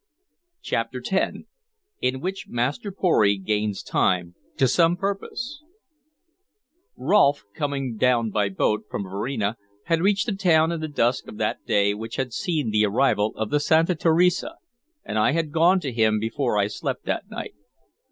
CHAPTER X IN WHICH MASTER PORY GAINS TIME TO SOME PURPOSE ROLFE coming down by boat from Varina, had reached the town in the dusk of that day which had seen the arrival of the Santa Teresa, and I had gone to him before I slept that night.